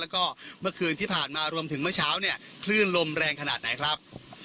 แล้วก็เมื่อคืนที่ผ่านมารวมถึงเมื่อเช้าเนี่ยคลื่นลมแรงขนาดไหนครับ